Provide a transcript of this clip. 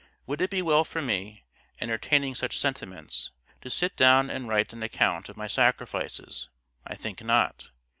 Would it be well for me, entertaining such sentiments, to sit down and write an account of my sacrifices? I think not.